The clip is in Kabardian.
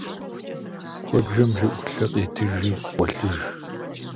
Куэбжэм бжэӏулъэ къетыжи гъуэлъыж.